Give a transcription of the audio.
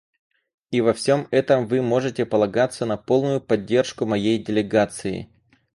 И во всем этом вы можете полагаться на полную поддержку моей делегации.